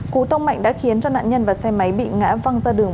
cú tông mạnh đã khiến cho nạn nhân và xe máy bị ngã văng ra đường